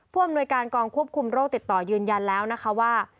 อำนวยการกองควบคุมโรคติดต่อยืนยันแล้วนะคะว่า